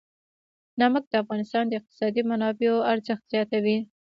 نمک د افغانستان د اقتصادي منابعو ارزښت زیاتوي.